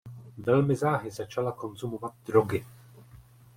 Velmi záhy začala konzumovat drogy.